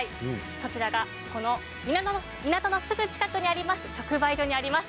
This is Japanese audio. そちらはこの港のすぐ近くにあります、直売所にあります。